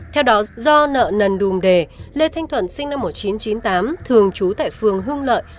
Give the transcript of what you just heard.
theo đó do nợ nần đùm đề lê thanh thuận sinh năm một nghìn chín trăm chín mươi tám thường trú tại phường hương lợi